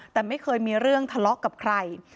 แต่ไม่เคยมีเรื่องทะเลาะกับใคร